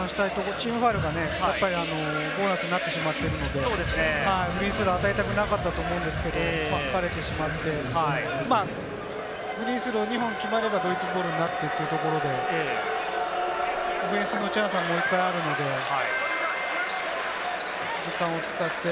チームファウルがね、重なってますので、フリースローを与えたくなかったと思うんですけれども吹かれてしまって、フリースロー、２本決まればドイツボールになったというところで、オフェンスのチャンスはもう１回あるので、時間を使って。